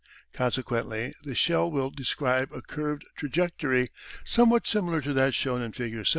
Consequently the shell will describe a curved trajectory, somewhat similar to that shown in Fig.